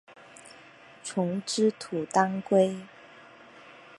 丛枝土当归